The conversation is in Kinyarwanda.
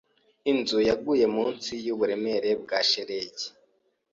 Inzu yaguye munsi yuburemere bwa shelegi.